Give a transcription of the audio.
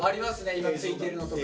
今ついてるのとか。